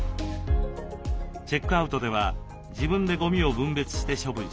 チェックアウトでは自分でごみを分別して処分します。